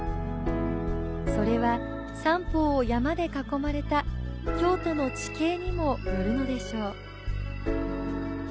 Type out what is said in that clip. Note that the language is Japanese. それは、三方を山で囲まれた京都の地形にもよるのでしょう。